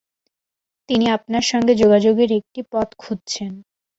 তিনি আপনার সঙ্গে যোগাযোগের একটা পথ খুঁজছেন।